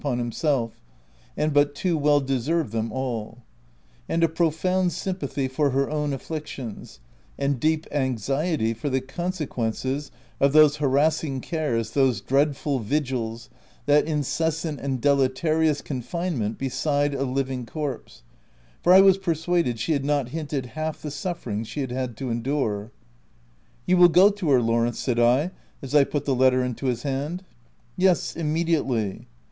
253 upon himself, and but too well deserved them all), and a profound sympathy for her own afflictions, and deep anxiety for the conse quences of those harassing cares, those dreadful vigils, that incessant and deleterious confine ment besides a living corpse — for I was per suaded she had not hinted half the sufferings she had had to endure. " You will go to her, Lawrence ?" said I, as I put the letter into his hand. "Yes, immediately."